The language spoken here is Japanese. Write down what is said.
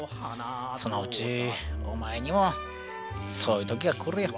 そのうちお前にもそういう時が来るよ。